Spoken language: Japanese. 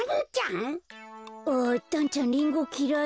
あだんちゃんリンゴきらい？